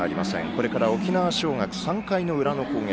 これから沖縄尚学３回の裏の攻撃。